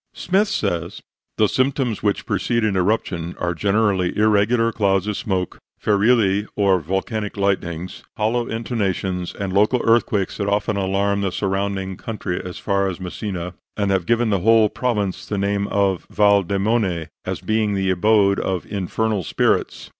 Smyth says: "The symptoms which precede an eruption are generally irregular clouds of smoke, ferilli or volcanic lightnings, hollow intonations and local earthquakes that often alarm the surrounding country as far as Messina, and have given the whole province the name of Val Demone, as being the abode of infernal spirits.